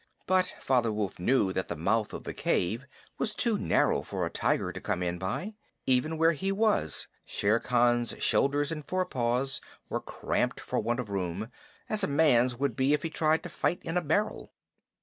But Father Wolf knew that the mouth of the cave was too narrow for a tiger to come in by. Even where he was, Shere Khan's shoulders and forepaws were cramped for want of room, as a man's would be if he tried to fight in a barrel.